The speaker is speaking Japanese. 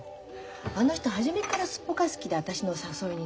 あの人初めからすっぽかす気で私の誘いに乗ったの。